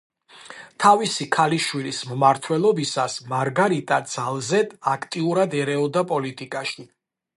თავისი ქალიშვილის მმართველობისას, მარგარიტა ძალზედ აქტიურად ერეოდა პოლიტიკაში.